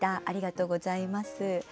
ありがとうございます。